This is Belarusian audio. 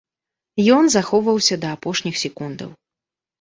Ён захоўваўся да апошніх секундаў.